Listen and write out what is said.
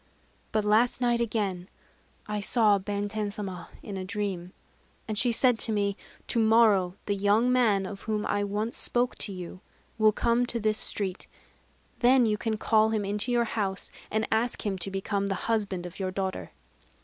But last night again I saw Benten Sama in a dream; and she said to me: 'To morrow the young man, of whom I once spoke to you, will come to this street: then you can call him into your house, and ask him to become the husband of your daughter.